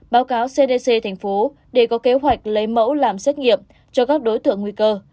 báo cáo cdc thành phố để có kế hoạch lấy mẫu làm xét nghiệm cho các đối tượng nguy cơ